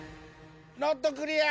ノットクリア！